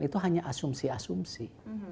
itu hanya asumsi asumsi